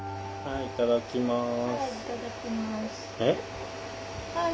はいいただきます。